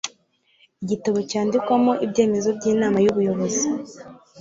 igitabo cyandikwamo ibyemezo by'inama y'ubuyobozi